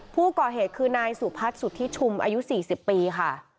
ผู้ก่อเหตุคือนายสุพัฒน์สุธิชุมอายุ๔๐ปีค่ะ